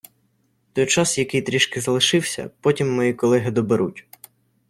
Той час, який трішки залишився, потім мої колеги доберуть.